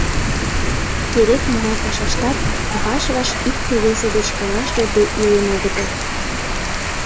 Керек-могай пашаштат ваш-ваш икте весе деч каҥаш йодде илен огытыл.